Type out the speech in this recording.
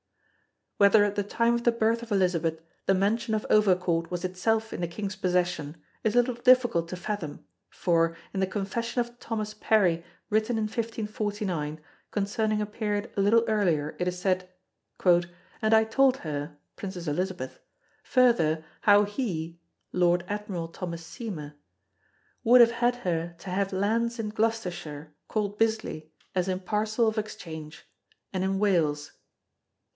Whether at the time of the birth of Elizabeth the mansion of Overcourt was itself in the King's possession is a little difficult to fathom, for, in the Confession of Thomas Parry written in 1549 concerning a period a little earlier, it is said: "And I told her" [Princess Elizabeth] "further how he" [Lord Admiral Thomas Seymour] "would have had her to have lands in Gloucestershire called Bisley as in parcel of exchange, and in Wales."